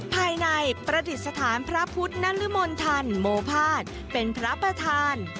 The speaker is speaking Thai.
ภายในประดิษฐานพระพุทธนรมนธันโมภาษเป็นพระประธาน